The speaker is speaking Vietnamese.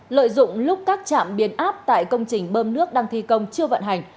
lợi dụng lúc các trạm biến áp tại công trình bơm nước đang thi công chưa vận hành